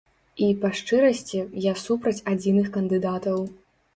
І, па шчырасці, я супраць адзіных кандыдатаў.